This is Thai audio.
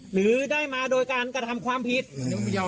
หรือได้มาโดยการกระทำความผิด